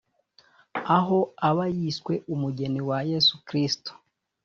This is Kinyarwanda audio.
aho aba yiswe umugeni wa Yesu Kristo